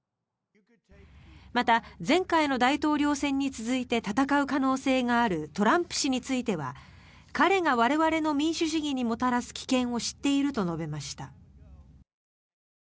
また、前回の大統領選に続いて戦う可能性があるトランプ氏については彼が我々の民主主義にもたらす危険を知っていると述べました。